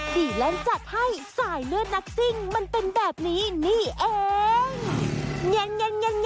ดีแลนด์จัดให้สายเลือดนักซิ่งมันเป็นแบบนี้นี่เอง